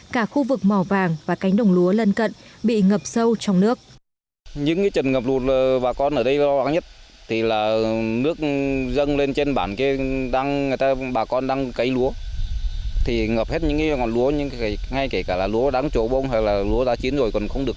cả khu vực mỏ vàng và cánh đồng lúa lân cận bị ngập sâu trong nước